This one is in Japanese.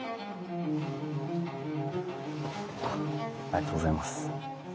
ありがとうございます。